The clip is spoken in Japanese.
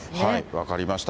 分かりました。